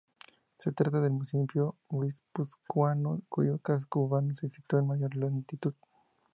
Se trata del municipio guipuzcoano cuyo casco urbano se sitúa a mayor altitud.